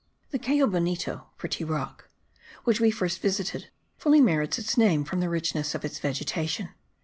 The Cayo bonito (Pretty Rock), which we first visited, fully merits its name from the richness of its vegetation.